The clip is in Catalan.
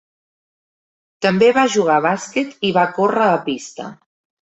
També va jugar a bàsquet i va córrer a pista.